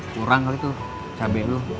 kurang kali tuh cabai dulu